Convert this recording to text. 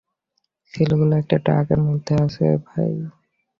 ছেলেগুলো একটা ট্রাকের মধ্যে আছে, ভাই।